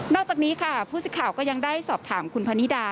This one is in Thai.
จากนี้ค่ะผู้สิทธิ์ข่าวก็ยังได้สอบถามคุณพนิดา